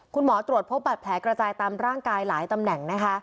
คุณหมอตรวจพบบัตรแผลกระจายตามร่างกายหลายตำแหน่งนะคะ